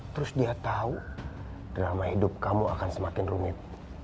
terus dia tahu drama hidup kamu akan semakin rumit